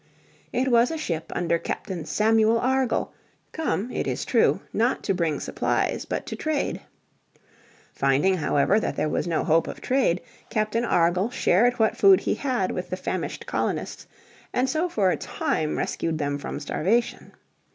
It was a ship under Captain Samuel Argall, come, it is true, not to bring supplies, but to trade. Finding, however, that there was no hope of trade Captain Argall shared what food he had with the famished colonists, and so for a time rescued them from starvation.